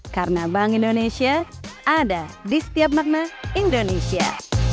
karena bank indonesia ada di setiap makna indonesia